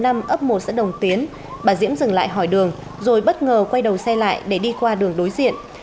ở ấp một xã đồng tiến bà diễm dừng lại hỏi đường rồi bất ngờ quay đầu xe lại để đi qua đường đối diện